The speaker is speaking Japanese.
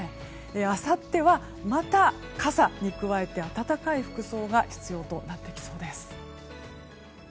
あさっては、また傘に加えて暖かい服装が必要となってきそうです。